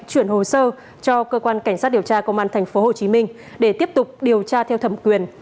chuyển hồ sơ cho cơ quan cảnh sát điều tra công an tp hcm để tiếp tục điều tra theo thẩm quyền